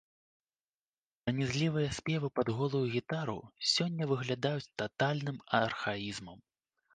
Пранізлівыя спевы пад голую гітару сёння выглядаюць татальным архаізмам.